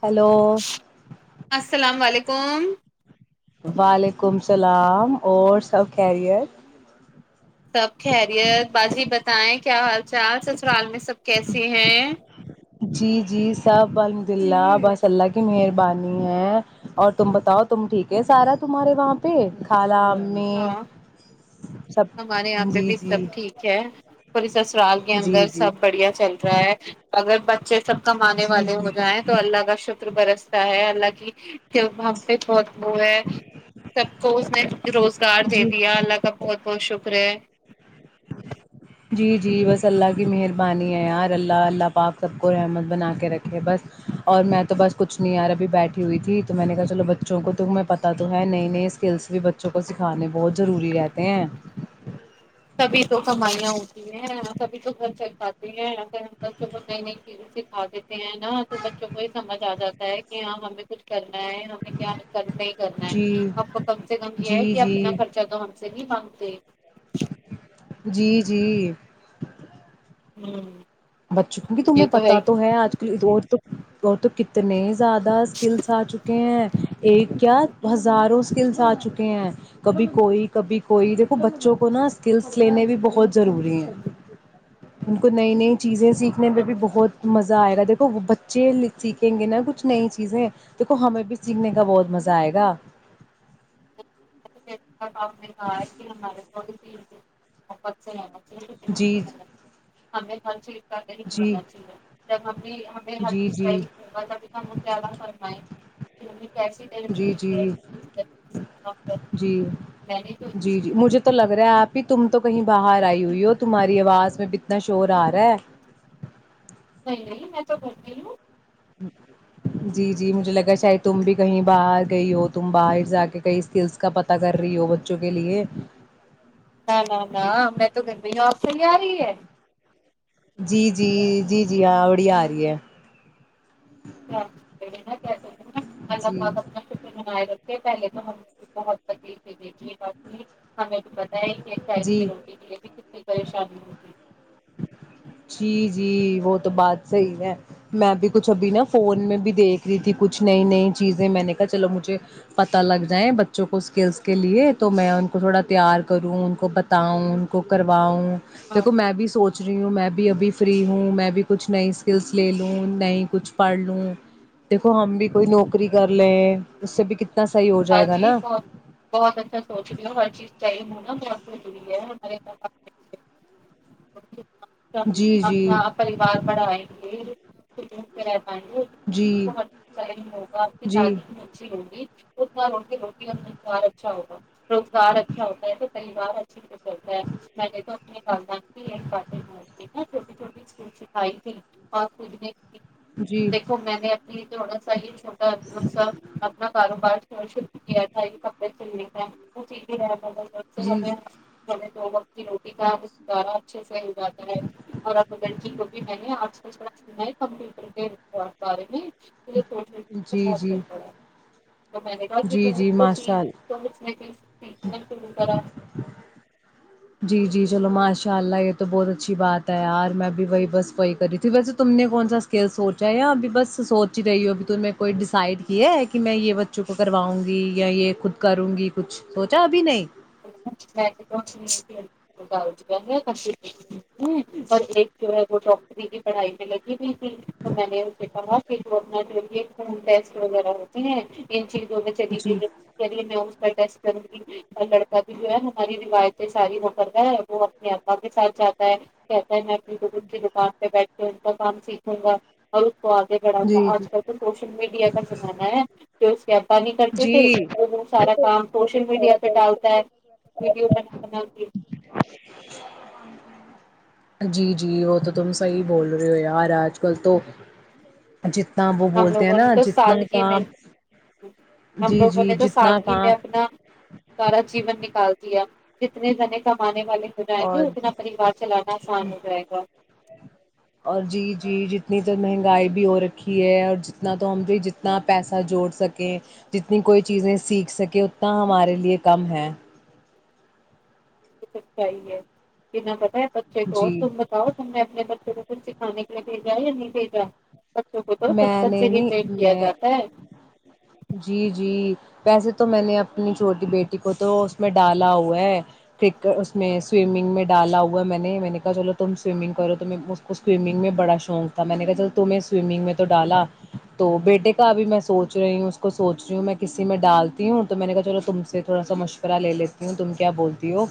hello السلام علیکم وعلیکم اللام اور سب خیریت سب خیریت باجی بتائیں کیا حال چال س سرال میں سب کیسے ہیں جی جی سب الحمد اللہ بس اللہ کی مہربانی ہے اور تم بتاؤ تم ٹھیک ہے سارا تمہارے وہاں پہ کالا ہاں پ ہمارے یہاں پہ بھی سب ٹھیک ہے پلی اسرال کے جی اندر جی سب بڑھیا چل رہا ہے اگر بچے سب کمانے جی والے ہو جی جائیں تو اللہ کا شکر برس الک ج ہم پہ پہت وہ ہے سب کو اس نے روزگار جی دیا اللہ کا بہت شکر ہے جی جی بس اللہ کی مہربانی ہے یار اللہ اللہ پاک سب کو رحمت بنا کے رکھے بس اور میں تو بس کچھ نہیں یار ابھی بیٹھی ہوئی تھی تو میں نے کہا چلو بچوں کو تو ہمیں پتہ تو ہے نئی نئے اسکلس بھی بچوں کو سکھانے بہت ضروری رہتے ہیں [unintelligible] تبھی تو کمائی ہوتی ہیں سبھی تو گھر چل کاتے ہیں بچوں کو نہیں نہیں ھا دیتے ہیں نا تو بچوں کو یہ سمجھ آ جاتا ہے کہ ہاں ہمیں کچھ کر کیا نہیں کرنا ہے جی آپ کم سے کم یہ ہے جی کہ اپنا جی خرچہ تو ہم سے نہیں ب ج [inaudible] جی جی ہوں بچوں کیوںک کہ تمہیں پتا تو ہے آج کل تو اور تو کتنے زیادہ اسکلس آ چکے ہیں ایک کیا ہزاروں اسکلس آ چکے ہیں کبھی کوئی کبھی کوئی دیکھو بچوں کو نا اسکلس لینے بھی بہت ضروری ہیں ان کو نئی نئی چیزیں سیکھنے میں بھی بہت مز مزہ آئے گا دیکو بچے سیکھیں گے نا کچھ نئی چیزیں دیکھو ہمیں بھی سیکھنے کا بہت مزہ آئے گا جی آپ نے کہا ہے کہ ہمارے تھ یک مت سے چاہیے سکون جی سے [inaudible] رہنا چاہیے، ہمیں خ چ [inaudible] جی ہونا چاہیے جب ہم ہمیں ہر جی چیز کا جی ہوگا تب ہم زیادہ فرمائ [inaudible] جی ج [inaudible] کیسی جی تنسی ہے جی [inaudible] جی میں نے تو جی جی مجھے تک [inaudible] لگ رہا ہے آپ ہی تم تو کہیں باہر آئی ہوئی ہو تمہاری آواز میں اتنا شور آ رہا ہے نہیں نہیں میں تو کرتی ہوں جی جی مجھے لگا شاید تم بھی کہیں باہر گئی ہو تم باہر جا کے کئی اسکلس کا پتاہ کر رہی ہو بچوں کے لیے ہ ہ ہ میں تو گھر پ ہوں آپ سے ہی آ رہی ہے [inaudible] جی جی جی جی ہاں بڑ آ رہی ہے [inaudible] الگ جی پاک اپنا پہلے تو ہم بہت بدلی دھی باقی ہمیں [inaudible] میں ایک سائ [inaudible] کی جی روٹی کے لیے بھی کت کی پریشانی ہوتی جی جی وہ تو بات صحیح ہے میں بھی [inaudible] کچھ ابھی نا فون میں بھی دیکھ [inaudible] ی تھی کچھ نئی نئی چیزیں میں نے کہا چلو مجھے پتہ لگ جائیں بچوں کو اسکلس کے لیے تو میں ان کو تھوڑا تیار کروں ان کو بتاؤں ان کو کرواؤں ہاں دیکو میں بھی سوچ [inaudible] جی ہوں میں [inaudible] بھی ابھی فری ہوں میں بھی کچھ نئی اسکلس لے لوں نئی کچھ پڑھ لوں دیکھو ہم بھی کوئی نوکری کر لیں اس سے بھی کتنے ہا جی بہت بہت اچھا سوچ رہے ہو ہر چیز چاہیم ہونا بہت ضروری ہے [inaudible] ارے س جی [inaudible] جی اپنا پریوار بڑھائیں گے [inaudible] ج جی [inaudible] ٹائم ہوگا آپ کی جی تعلیم بھی اچھی ہوگی اس رو روٹی اور مار اچھا ہوگا روزگار اچھا ہوتا ہے تو پریوار اچھے سے چلتا ہے میں نے تو اپنے والدات کی باتیں نا چھوٹی چھوٹی اسکول سکھائی تھی اورنے [unintelligible] جی دیکھو میں نے اپنی تھوڑا سا ہی چھوٹا سا اپنا کاروبار [unintelligible] شروع کیا تھا یہ کپڑے سلنے کا وہ سیدھے جی رہ [unintelligible] [unintelligible] تو وقت کی روٹی کا گزارا اچھے سے ہو جاتا ہے اور اب لڑکی کو بھی میں نے آٹا س ہے کمپیوٹر کے بارے میں یہ سوچنے جی بہت جی صحیح پڑا ہے، [unintelligible] تو میں کہ جی ماشاء اللہ تو نے سیکھنا شروع کرا [unintelligible] جی جی چلو ماشاء اللہ یہ تو بہت اچھی بات ہے یار میں اب بھی وہی بس وہی کر رہی تھی ویسے تم نے کون سا اسکل سوچا ہے ابھی بس سوچ ہی رہی ہوں ابھی ت کوئی ڈیسائڈ کیا ہے کہ میں یہ بچوں کو کرواؤں گی یا یہ خود کروں گی کچھ سوچا ابھی نہیں اور ایک جو ہے وہ ڈاکٹری کی پڑھائی میں لگی [unintelligible] جی ج تو میں نے اسے کہا کہ جو اپنا جوے ہ پسٹ وغیرہ ہوتی ہیں یوگ چی جی چ میں س بھی جو ہے ہماری رویتیں ساری ہو کرتا ہے وہ اپنی اا کے ساتھ جاتا ہے کہتا ہے میں اپنی دکود کی دکان پہ بیٹھ کے ان کا کام سیکھوں گا اور تو آگے بڑا سا جی آج کل تو سوشل میڈیا کا زمانہ ہے یس کیاپانی کرتے تھے جی جی وہ وہ سارا کام کوش میڈیا پ ڈال ویڈیو بنا جی جی وہ تو تم صی بول رہے ہو یار آج کل تو جتنا وہ ہم بولتے ہیں لوگوں نے نا تو جتنا سادگی میں کام ہم جی لوگوں جی نے تو جتنا سادگی میں کام اپنا سارا جیون نکال دیا جتنے جنے کمانے والے ہو جائیں گے اور اتنا پریوار چلانا آسان ہو جائے گا ادھر مہنگائی بھی ہو رکھی ہے اور جتنا تو ہم بھی جتنا پیسہ جوڑ سکیں جتنی کوئی چیزیں سیکھ سکیں اتنا ہمارے لیے کم ہے سچائی ہے جنا پتا ہے بچے کو جی تم بتاؤ تم نے اپنے بچے کو کچھ سکھانے کے لیے بھیج رہا ہے یا نہیں بھیج رہا ہے بچوں کو تو میں بچپن نے سے ہی نہیں پیٹ کیا میں جاتا ہے جی جی ویسے تو میں نے اپنی چھوٹی بیٹی کو تو اس میں ڈالا ہوا ہے کرک اس میں سوئمنگ میں ڈالا ہوا میں نے میں نے کہا چلو تم سوئمنگ کرو تو میں اس کو سوئمنگ میں بڑا شوق تھا میں نے کہا چ تمیں سوئمنگ میں تو ڈالا تو بیٹے کا ابھی میں سوچ رہی ہوں اس کو سوچ رہی ہوں میں کسی میں ڈالتی ہوں تو میں نے کہا چلو تم سے تھوڑا سا مشورہ لے لیتی ہوں تم کیا بولتی ہو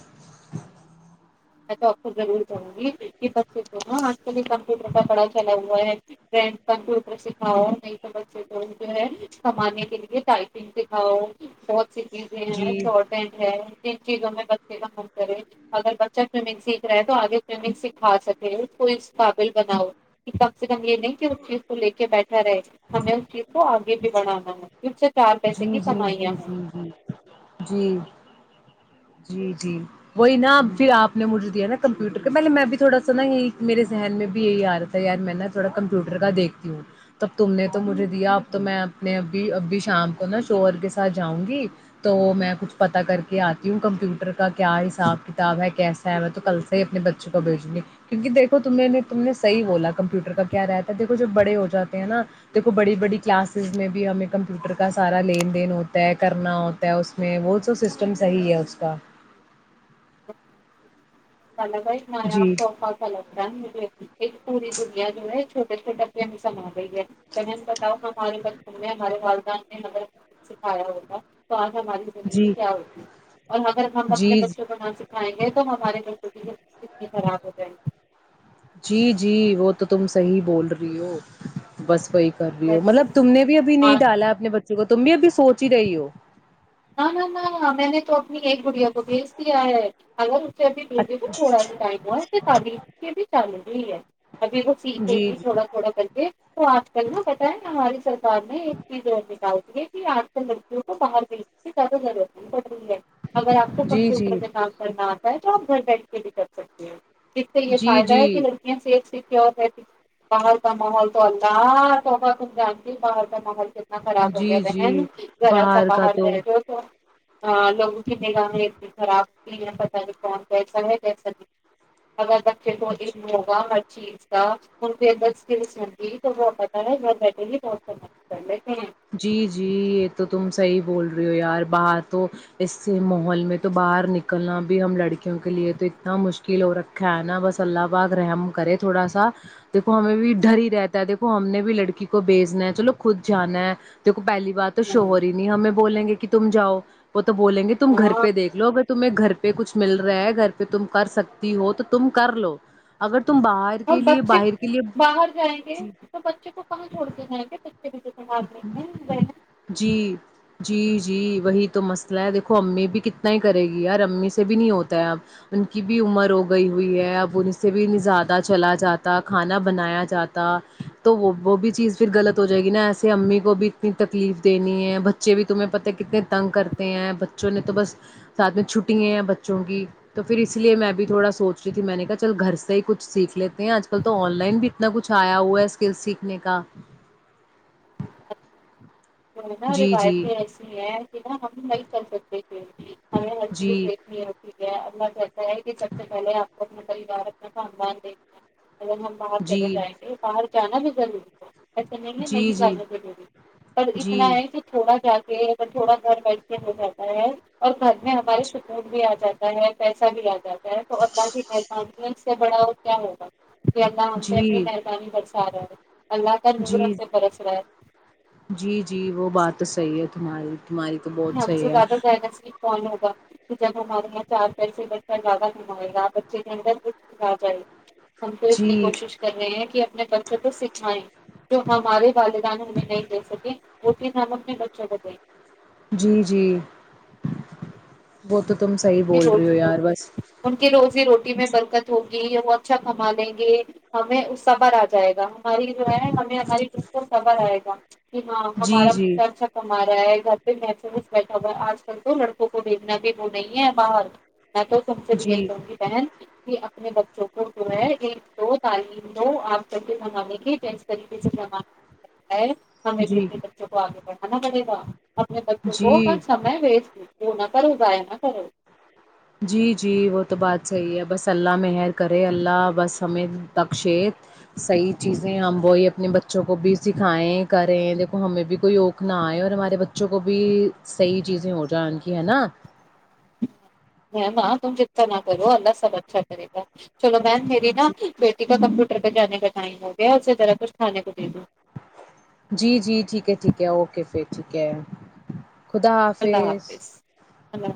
میں تو آپ کو ضرور کہوں گی کہ بچے کو نا آج کل کمپیوٹر کا بڑا چلا ہوا ہے کمپیوٹر سکھاؤ نہیں تو بچے کو جو ہے کمانے کے لیے ٹائپنگ سکھاؤ بہت سز جی ہیں شارٹیج ہے [unintelligible] جن چیزوں میں بچے کا منتر ہے اگر ب اچ سنگ سیکھ رہا ہے تو آگے سمنگ سکھا سکے اس کو اس قابل بناؤ کہ کم سے کم یہ نہیں کہ اس چیز کو لے کے بیٹھا رہے ہمیں اس چیز کو آگے بھی بڑھانا ہے پھر سے چار پیسے جی کی جی جی کمائیاں جی ہیں جی جی جی جی وہی نا اب بھی آپ نے مجھے دیا نا کمپیوٹر کے پہلے میں بھی تھوڑا سا نا یہ میرے ذہن میں بھی یہی آ رہا تھا یار میں نا تھوڑا کمپیوٹر کا دیکھتی ہوں تب تم نے تو مجھے دیا تو میں اپنے ابھی ابھی شام کو نا شوور کے ساتھ جاؤں گی تو میں کچھ پتا کر کے آتی ہوں کمپیوٹر کا کیا حساب کتاب ہے کیسا ہے میں تو کل سے ہی اپنے بچوں کو بھیجوں گی کیوں کہ دیکھو ت نے تم نے صحی بولا کمپیوٹر کا کیا رہتا ہے دیکو جب بڑے ہو جاتے ہیں نا دیکھو بڑی بڑی کلاسز میں بھی ہمیں کمپیوٹر کا سارا لین دین ہوتا ہے کرنا ہوتا ہے اس میں وہ سب سسٹم صحیح ہے اس کا سا کا ایک نیا جی توحفہ چلا ارن مے ایک پوری دنیا جوڑ ہے [unintelligible] چھوٹے چھوٹ پ سما گئی ہے بتاؤ ہمارے بچپن میں ہمارے والدہ نے ہم سکھایا ہوگ تو آ ہماری زندگی جی کیا ہوتی ہے اور اگر ہم اپنے جی بچوں کو نہ سکھائیں گے تو ہمارے بچوں توب کتنی خراب ہو جائیں گی جی جی وہ تو تم صحیح بول رہی ہو بس وہی بھی ہو کہتے مطلب ہیں تم نے بھی ابھی آج نہیں ڈالا اپنے بچ تم بھی ابھی سوچ ہی رہی ہو ہاں نہ نہ ہ میں نے تو اپنی ایک بڑیا کو بھیج دیا ہے اگر جب بھی دجے گ تھوڑا ہی ٹائم ہو تو تی کے بھی چالو ٹھیک ہے [inaudible] ابھی وہ سیکھے جی تھی تھوڑا تھوڑا کرچے تو آج کل نا پتہ ہے نا ہماری سرکار نے ایک چیز ر نکال یہ بھی آج کل لڑکیوں کو باہر م سازا پ گ اگر آپ کو جی جی جی کمپیوٹر میں کام کرنا ہوتا [unintelligible] میں تو آپ گھر بیٹھ کے بھی کر سکتی ہیں جسے یہ جی فائدا ہے کہ جی لڑکیاں صیف س باہر کا محول تو اللہ توبا تم ج ان باہر کا ماحول سے اتنا خراب ہو گیا جی جی بہن ذرا سا باہر م جو تو [unintelligible] لوگوں کی نگامیں اتنی خراب ہوتی ہیں پت کہ کون کیسا ہے کیسا نہیں اگر بچے تو ایک ہوگا چیز کا اورکسنتی تو پت ن بہتمے جی جی یہ تو تم صحیح بول رہی ہو یار باہر تو اس ماحول میں تو باہر نکلنا بھی ہم لڑکیوں کے لیے تو اتنا مشکل ہو رکھا ہے نا بس اللہ بغ رہ ہم کرے تھوڑا سا دیکھو ہمیں بھی ڈر ہی رہتا ہے دیکھو ہم نے بھی لڑکی کو بیجنا ہے چلو خود جانا ہے دیکھو پہلی بار تو ہیں شوہور ہی نہیں ہمیں بولیں گے کہ کہ تم جاؤ پ تو بولیں گے تم گھر ہاں پہیک لو اگر تمہیں گھر پہ کچھ مل رہا ہے گھر پہ تم کر سکتی ہو تو تم کر لو اگر تم باہر اور کے لیے بچے باہر کے لیے باہر جائیں گے جی تو بچے کو کہاں چھوڑتے جائیں گے بھی تو سنبھالنے ہیں جی جی جی وہی تو مسئلہ ہے دیکھو امی بھی کتنا ہی کرے گی یار امی سے بھی نہیں ہوتا ہے اب ان کی بھی عمر ہو گئی ہوئی ہے اب ان سے بھی زیادہ چلا جاتا کھانا بنایا جاتا تو وہ وہ بھی چیز پھر غلط ہو جائے گی نا ایسا امی کو بھی اتنی تکلیف دینی ہے بچے بھی تمہیں پتا کتنے تنگ کرتے ہیں بچوں نے تو بس ساتھ میں چھٹی ہیں بچوں کی تو پھر اس لیے میں بھی تھوڑا سوچ رہی تھی میں نے کہا چل گھر سے ہی کچھ سیکھ لیتے ہیں آج کل تو آن لائن بھی اتنا کچھ آیا ہوا ہے اسکل سیکھنے کا ہ نا روایتیں ایسی ہیں کہ نا ہم نہیں کر سکتے ہمیں ہر چیز جی دیکھنی ہوتی ہے کہتا ہے کہ سب سے پہلے آپ کو اپنا پریوار اپنا سامان دھنا ہے اگر ہم باہر چلے جی جائیں گے باہر جانا پ جل ایسا نہیں ہے جی نہیں جی جاننے کے دی اتنا جی ہے کہ تھوڑا جا کے تھوڑا گھر بیے ہو جاتا ہے اور گھر میں ہماراری سپورٹ بھی آ جاتا ہے پیسہ بھی آ جاتا تو اللہ کی مہرب سے بڑا ہو کیا ہوگا کہ اللہ ہم سے اپنی جی مہربانی برسا رہا ہے اللہ کا نور جی رتے برس رہا ہے جی جی وہ بات تو صحیح ہے تمہاری تمہاری تو نہیں بہت ہم سے صحیح ہے زیادہ جائے گا صف کون ہوگا کہ جب ہمارے یہاں چار پیسے بچہ زیادہ کمائے گا بچے کے اندر کچھ آ جائے گ ہم کو اتنی جی کوشش کر رہے ہیں کہ اپنے بچوں کو سکھائیں جو ہمارے والدان ہمیں نہیں دے سکے وہتی نام اپنے بچوں کو گے جی جی وہ تو تم صحیح بول رہی ہو یار بس ان کی روزی روٹی میں برکت ہوگئی ہے وہ اچا کھما لیں گے ہمیں اس سبر آ جائے گا ہماری جو ہے ہمیں ہماری ب کو خبر آئے گا کہ ہاں جی ہمارا جی ب اچھا کما رہا ہے مح وٹا آج کل تو لڑکوں کو دیکھنا بھی وہ نہیں ہے باہر میں تو تم سے جی بھیہیل کروں گی بہن کہ ت بچو وہ جو ہے ایک دو تعلیم دو آپ کر کے کنگانیں گے جو اس طریقے سےمان ہمیں بھی جی اپنے بچوں کو آگے بڑھ اناد د گا ہمنے بچوں کو ک جی سمے ویسٹ پور نہ کر اگیا خرو جی جی وہ تو بات صحیح ہے بس اللہ مہر کرے اللہ بس ہمیں بکشےت صحیح چیزیں ہم وہی اپنے بچوں کو بھی سکھائیں کریں دیکھو ہمیں بھی کوئی اوک نہ آئے اور ہمارے بچوں کو بھی صحیح چیزیں ہو جائیں ان کی ہے نا ہے ماں تم چتتا نہ کرو اللہ سب اچھا کرے گا چلو میم میری نا جی بیٹی کا کمپیوٹر پہ جانے کا ائم ہو گیا اسی طذرح کچھ کانے کو دینا جی جی ٹھیک ہے ٹھیک ہے اوکے پھر ٹھیک ہے خدا حافظ اللہ